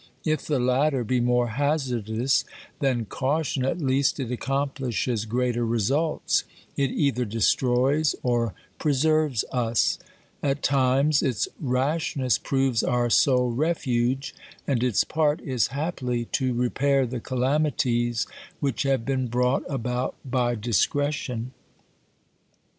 If the latter be more hazardous than caution, at least it accomplishes greater results — it either destroys or preserves us ; at times its rashness proves our sole refuge, and its part is haply to repair the calamities which have been brought about by discretion.